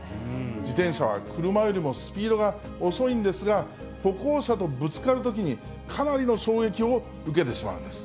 自転車は車よりもスピードが遅いんですが、歩行者とぶつかるときに、かなりの衝撃を受けてしまうんです。